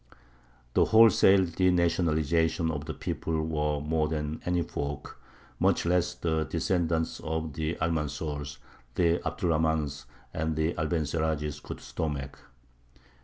The wholesale denationalization of the people was more than any folk much less the descendants of the Almanzors, the Abd er Rahmāns, and the Abencerrages could stomach.